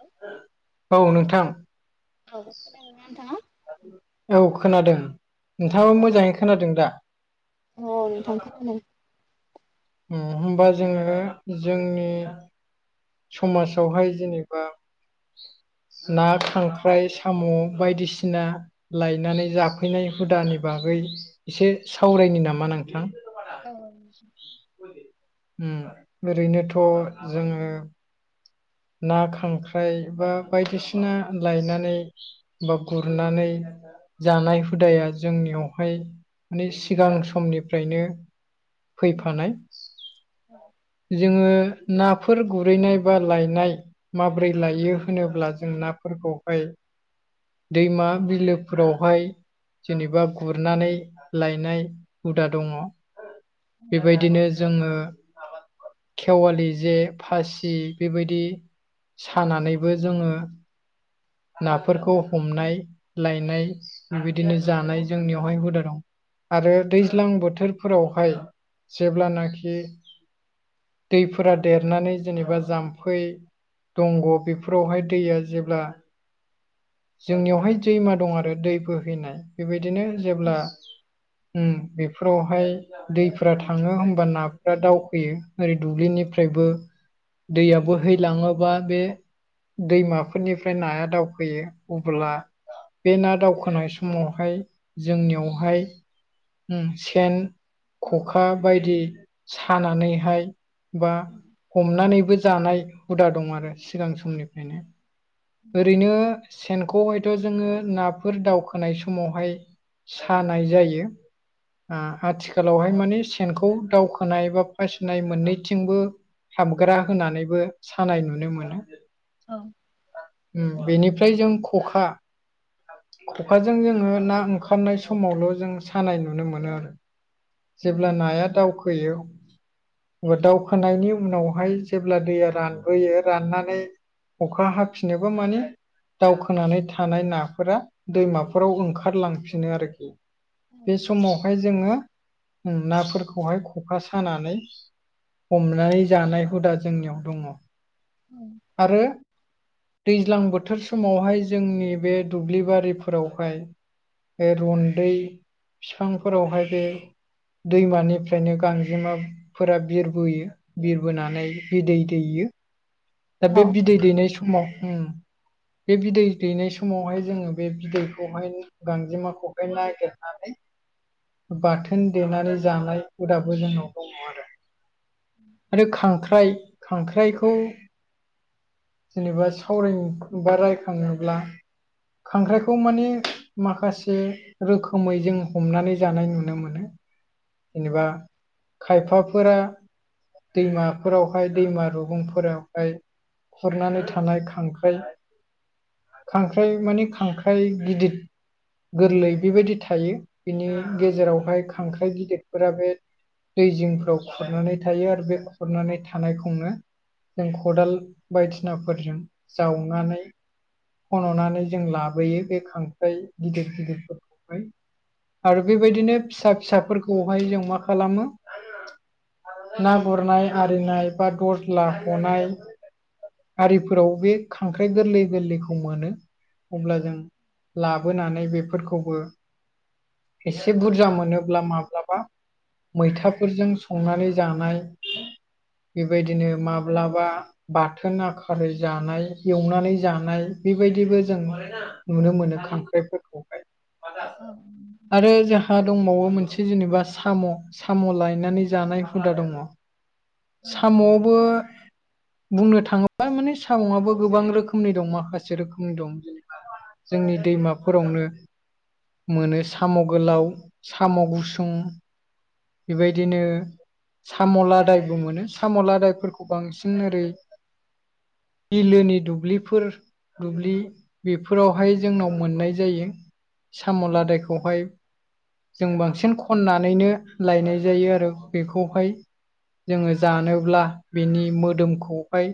औ औ नोंथां औ खथा [unintelligible] औ खोनादों नोंथाङो मोजाङै खोनादों दा औ नोंथां खोना होमबा जोङो जोंनि समाजावहाय जेनेबा ना खांख्राइ साम' बायदिसिना लायनानै जाफैनाय हुदानि बागै एसे सावरायनि नामा नोंथां औ ओरैनोथ' जोङो ना खांख्राइ बा बायदिसिना लायनानै बा गुरनानै जानाय हुदाया जोंनियावहाय माने सिगां समनिफ्रायनो औ फैफानाय जोङो नाफोर गुरैनाय बा लाइ नाय माब्रै लायो होनोब्ला जों नाफोरखौहाय दैमा बिलो फोरावहाय जेनेबा गुरनानै लायनाय हुदा दङ बेबायदिनो जोङो खेवालि जे फासि बेबायदि बिदि सानानैबो जोङो नाफोरखौ हमनाय लायनाय बेबायदिनो जानाय जोंनियावहाय हुदा दं आरो दैज्लां बोथोर फोरावहाय जेब्लानाखि दैफोरा देरनानै जेनेबा जाम्फ उफै दंग' बेफोरावहाय दैया जेब्ला जोंनियावहाय दैमा दं आरो दै बोहैनाय बेबायदिनो नोंथां जेब्ला बेफोरावहाय दैफोरा थाङो होमबा नाफोरा दावखोयो ओरै दुब्लिनिफ्रायबो दैआ बोहैलाङोबा बे दैमाफोरनिफ्राय नाया दावखैयो। अब्ला बे ना दावखोनाय समावहाय जोंनियावहाय उम सेन ख'खा बायदि सानानैहाय बा हमनानैबो जानाय हुदा दं आरो सिगां समनिफ्रायनो। ओरैनो सेनखौ हायथ' जोङो नाफोर दावखोनाय समावहाय सानाय जायो। आथिखालावहाय माने सेनखौ दावखोनाय बा फासुयनाय मोननैथिंबो हाबग्रा होननानैबो सानाय नुनो मोनो। [inaudible] बा उम बेनिफ्राय जों ख'खा ख'खाजों जोङो ना ओंखारनाय समावल' जों सानाय नुनो मोनो आरो। जेब्ला नाया दावखोयो अं दावउखोनायनि उनावहाय जेब्ला दैया रानबोयो राननानै अखा हाफिनोबा मानि दावखोनानै थानाय ना फोरा दैमाफोराव ओंखारलांफिनो आरोखि। बे समाव ओमफ्राय जोङो नाफोरखौहाय ख'खा सानानै हमनानै जानाय हुदा जोंनियाव दङ। [inaudible] आरो दैज्लां बोथोर समावहाय जोंनि बे दुब्लि बारिफोरावहाय बे रन्दै फिफांफोरावहाय बे दैमानिफ्रायनो गांजेमा फोरा बिरबोयो बिरबोनानै बिदै दैयो। दा बे बिदै दैनाय समाव उम बे बिदै दैनाय समावहाय जोङो बे बिदैखौहाय गांजेमाखौहाय नागेरनानै बाथोन देनानै जानाय हुदाबो जोंनाव दङ आरो। आरो खांख्राइ खांख्राइखौ जेनेबा सावरें बा रायखाङोब्ला खांख्राइखौ माने माखासे रोखोमै जों हमनानै जानाय नुनो मोनो। जेनेबा खायफाफोरा दैमाफोरावहाय दैमा रुगुंफोरावहाय खरनानै थानाय खांख्राइ खांख्राइ माने खांख्राइ गिदिद गोरलै बेबायदि थायो बिनि गेजेरावहाय खांख्राइ गिदिरफोरा बे दै जिंफ्राव खुरनानै थायो आरो बे खुरनानै थानायखौनो जों खदाल बायदिसिनाफोरजों जावनानै खन'नानै जों लाबोयो बे खांख्राइ गिदिर गिदिरफोरखौहाय। आरो बेबायदिनो फिसा फिसाफोरखौहाय जों मा खालामो ना गुरनाय आरिनाय बा दरज्ला हनाय आरिफोराव बे खांख्राइ गोरलै गोरलैखौ मोनो। अब्ला जों लाबोनानै बेफोरखौबो एसे बुरजा मोनोब्ला माब्लाबा मैथाफोरजों संनानै जा जानाय। बेबायदिनो माब्लाबा बाथोन आखारै जानाय एवनानै जानाय। बेबायदिबो जों नुनो मोनो खांख्राइफोरखौहाय। ओं। आरो जोंहा दंबावो मोनसे जेनेबा साम' साम' लायनानै जानाय हुदा दङ। साम'आवबो बुंनो थाङोब्ला माने सामुआबो गोबां रोखोमनि दं। माखासे रोखोमनि दं जेनबा जोंनि दैमाफोरावनो मोनो साम' गोलाव, साम' गुसुं, बेबायदिनो साम' लादाय मोनो साम' लादायफोरखौ बांसिन ओरै बिलोनि दुब्लिफोर दुब्लि बेफोरावहाय जोंनाव मोननाय जायो। साम' लादायखौहाय जों बांसिन खननानैनो लायनाय जायो आरो बेखौहाय जोङो जानोब्ला बिनि मोदोमखौहाय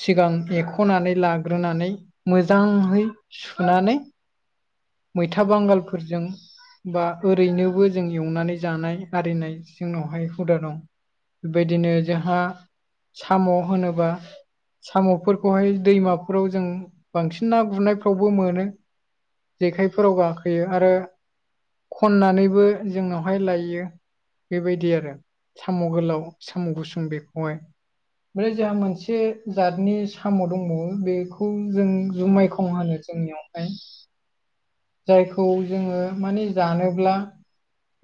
सिगां एख'नानै लाग्रोनानै मोजाङहै सुनानै मैथा बांगालफोरजों बा ओरैनोबो जों एवनानै जानाय आरिनाय जोंनावहाय हुदा दं। बेबायदिनो जोंहा साम' होनोबा साम'फोरखौहाय दैमाफोराव जों बांसिन ना गुरनायफ्रावबो मोनो। जेखायफोराव गाखोयो आरो खननानैबो जोंनावहाय लायो। बेबायदि आरो साम' गोलाव, साम' गुसुं बेखौहाय ओमफ्राय जोंहा मोनसे से जतनि साम' दंबावो बेखौ जों जुमाय खं होनो जोंनियावहाय। जायखौ जोङो माने जानोब्ला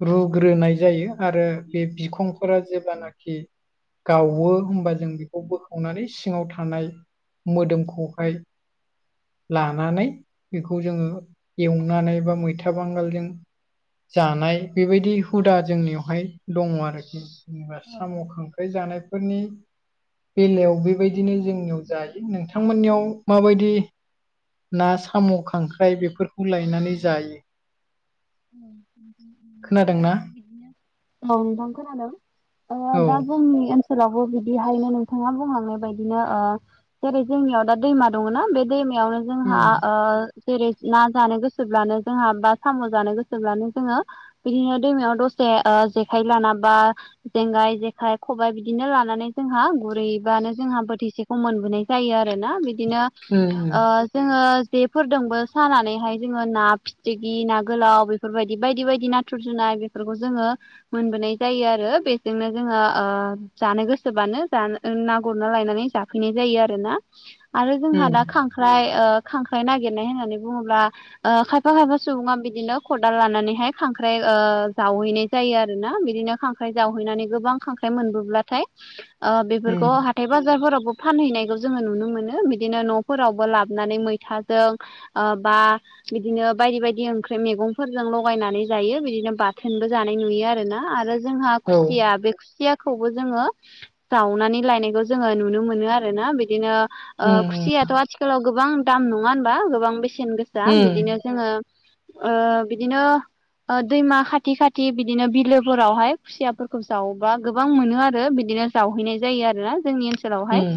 रुग्रोनाय जायो आरो बे बिखंफोरा जेब्लानाखि गावो होमबा जों बेखौ बोखावनानै सिङाव थानाय मोदोमखौहाय लानानै बेखौ जोङो एवनानै बा मैथा बांगालजों जानाय बेबायदि हुदा जोंनियावहाय दङ आरोखि। जेनेबा साम' खांख्राइ जानायफोरनि बेलायाव बेबायदिनो जोंनियाव जायो। नोंथांमोननियाव माबायदि ना साम' खांख्राइ बेफोरखौ लायनानै जायो? खोनादोंना औ नोंथां खोनादों। आङो औ दा जोंनि ओनसोलावबो बिदिहायनो नोंथाङा बुंहांनाय बायदिनो ओ जेरै जोंनियाव दा दैमा दङना बे दैमायावनो जोंहा उम ओ जेरै ना जानो गोसोब्लानो जोंहा बा साम' जानो गोसोब्लानो जोङो बिदिनो दैमायाव दसे ओ जेखाइ लाना बा जेंगाय जेखाय खबाइ बिदिनो लानानै जोंहा गुरैबानो जोंहा बोथिसे खौ मोनबोनाय जायो आरो ना बिदिनो उम ओ जोङो जेफोरजोंबो सानानैहाय जोङो ना फिथिखि ना गोलाव बे बेफोरबायदि बायदि बायदि नाथुर जुनाय बेफोरखौ जोङो मोनबोनाय जायो आरो बेजोंनो जोङो ओ जानो गोसोबानो जानो ओं ना गुरना लायनानै जाफैनाय जायो आरोना। आरो जोंहा उम दा खां ख्राय ओ खांख्राइ नागिरनाय होननानै बुङोब्ला ओ खायफा खायफा सुबुङा बिदिनो खदाल लानानैहाय खांख्राइ ओ जावहैनाय जायो आरो ना बिदिनो खांख्राइ जावहैनानै गोबां खां ख्राय मोनबोब्लाथाय ओ उम बेफोरखौ हा थाइ बाजारफोरावबो फानहैनायखौ जोङो नुनो मोनो। बिदिनो न'फोरावबो लाबोनानै मैथाजों ओ बा बिदिनो बायदि बायदि ओंख्रि मैगं फोरजों लगायनानै जायो बिदिनो बाथोनबो जानाय नुयो आरोना आरो जोंहा औ खुसिया बे खुसिया खौबो जोङो जावनानै लायनायखौ जोङो नुनो मोनो आरो ना बिदिनो ओ उम खुसियाथ' आथिखालाव गोबां दाम नङा होनबा? गोबां बेसेन गोसा। उम बिदिनो जोङो ओ बिदिनो ओ दैमा खाथि खाथि बिदिनो बिलोफोरावहाय खुसियाफोरखौ जावोबा गोबां मोनो आरो बिदिनो जावहैनाय जायो आरोना जोंनि ओनसोलावहाय उम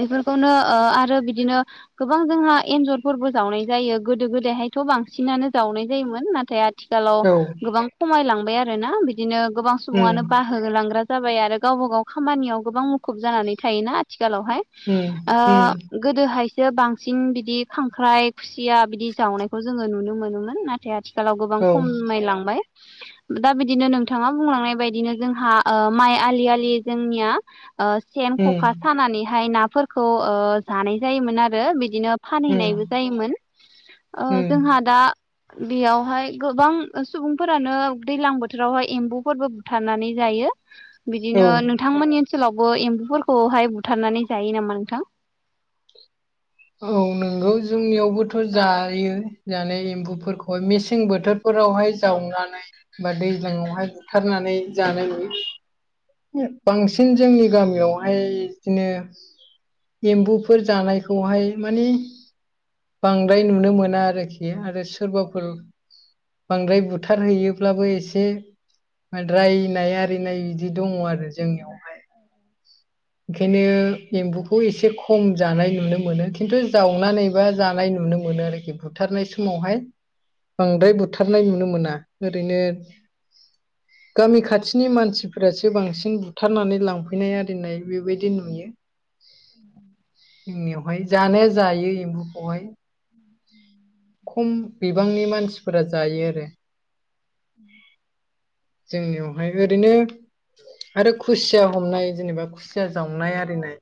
बेफोरखौनो ओ आरो बिदिनो गोबां जोंहा एन्जरफोरबो जावनाय जायो गोदो गोदायहायथ' बांसिनानो जावनाय जायोमोन। नाथाय आथिखालाव औ गोबां खमायलांबाय आरोना बिदिनो गोबां उम सुबुङानो बा होलांग्रा जाबाय आरो गावबा गाव खामानियाव गोबां मुखुब जानानै थायोना आथिखालावहाय। उम ओ उम गोदोहायसो बांसिन बिदि खांख्राइ खुसिया बिदि जावनायखौ जोङो नुनो मोनोमोन। जे आथिखालाव गोबां औ खमायलांबाय। दा बिदिनो नोंथाङा बुंलांनाय बायदिनो जोंहा ओ माइ आलि आलि जोंनिया ओ सेन उम खखा सानानैहाय नाफोरखौ ओ जानाय जायोमोन आरो बिदिनो उम फानहैनायबो जायोमोन। ओ जोंहा उम दा बेयावहाय गोबां सुबुंफोरानो दैलां बोथोरावहाय एम्बुफोरबो थारनानै जायो। बिदिनो औ नोंथांमोननि ओनसोलावबो एम्बुफोरखौहाय बुथारनानै जायो नामा नोंथां? औ नोंगौ जोंनियावबोथ' जायो। जानाय एम्बुफोरखौहाय मेसें बोथोरफोरावहाय जावनानै बा दैज्लाङावहाय बुथारनानै जानाय नुयो। [unintelligible] बांसिन जोंनि गामियावहाय बिदिनो एम्बुफोर जानायखौहाय माने बांद्राय नुनो मोना आरोखि आरो सोरबाफोर बांद्राय बुथारहैयोब्लाबो एसे रायनाय आरिनाय इदि दङ' आरो जोंनियावहाय। ओंखायनो एम्बुखौ एसे खम जानाय नुनो मो मोनो खिन्थु जावनानै बा जानाय नुनो मोनो आरोखि। बुथारनाय समावहाय बांद्राय बुथारनाय नुनो मोना। ओरैनो गामि खाथिनि मानसिफ्रासो बांसिन बुथारनानै लांफैनाय आरिनाय बेबायदि नुयो। उ जोंनियावहाय जानाया जायो एम्फौखौहाय। खम बिबांनि मानसिफोरा जायो आरो। उ जोंनियावहाय ओरैनो आरो खुसिया हमनाय जेनेबा खुसिया जावनाय आरिनाय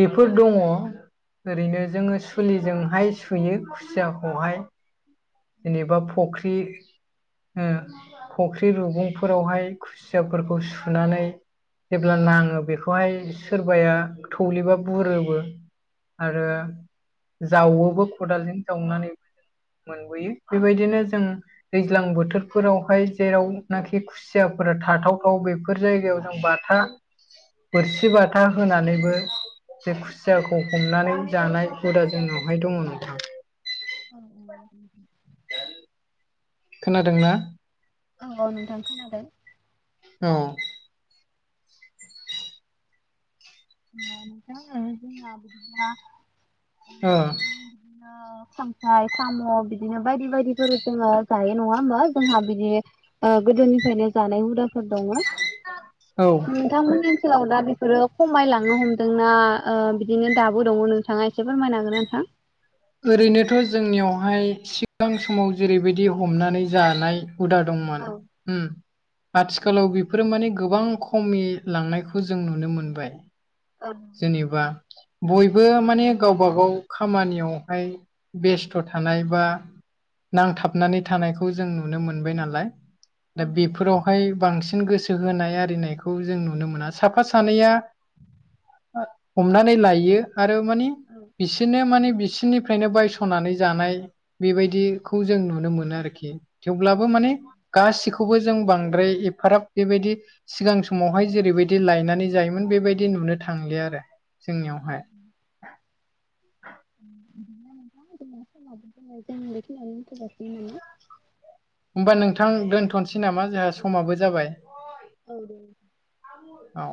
बेफोर दङ'। ओरैनो जोङो सुलिजोंहाय सुयो खुसियाखौहाय। जेनेबा फख्रि ओ फख्रि रुगुंफोरावहाय खुसियाफोरखौ सुनानै जेब्ला नाङो बेखौहाय सोरबाया थौलेबा बुरोबो। आरो जावोबो खदालजों जावनानै नुयो बेबायदिनो जों दैज्लां बोथोरफोरावहाय जेरावनाखि खु खुसियाफोरा थाथावथाव बेफोर जायगायाव जों बाथा बोरसि बाथा होनानैबो बे खुसियाखौ हमनानै जानाय हुदा जोंनावहाय दङ' नोंथां। औ। खोनादों ना? औ औ नोंथां खोनादों औ। ओ [unintelligible] ओ खांख्राय, साम' बिदिनो बायदि बायदिफोर जोङो जायो नङा होमबा? जोंहा बिदि ओ गोदोनिफ्रायनो जानाय हुदा फोर दङ'। औ नोंथांमोननि ओनसोलाव दा बेफोरो खमायला लांनो हमदोंना ओ बिदिनो दाबो दङ' नोंथाङा एसे फोरमायना हागोन नोंथां? ओरैनोथ' जोंनियावहाय सिगां समाव जेरैबायदि हमनानै जानाय हुदा दंमोन। उम। आथिखालाव बेफोरो माने गोबां खमिलांनायखौ जों नुनो मोनबाय। [unintelligible] जेनेबा बयबो माने गावबा गाव खामानियाव हाय बेस्थ' थानाय बा नांथाबनानै थानायखौ जों नुनो मोनबाय नालाय। दा बेफोराव हाय बांसिन गोसो होनाय आरिनायखौ जों नुनो मोना। साफा सानैया हमनानै लायो आरो माने बिसोरनो माने बि बिसिनिफ्रायनो बायस'नानै जानाय बेबायदिखौ जों नुनो मोनो आरोखि। थेवब्लाबो माने गासिखौबो जों बांद्राय एफाराब बेबायदि सिगां समावहाय जेरैबायदि लायनानै जायोमोन बेबायदि नुनो थांलिया आरो जोंनियावहाय। [inaudible] [unintelligible] जों बेखिनियावनो दोनथ' जासिनोन नामा? होमबा नोंथां दोन्थ'नोसै नामा जोंहा समाबो जाबाय। औ।